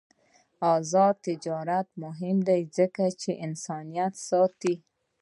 آزاد تجارت مهم دی ځکه چې انسانیت ساتي.